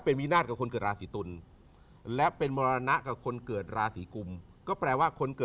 ไปจนถึงวันที่๕กันยายน